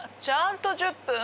ちゃんと１０分。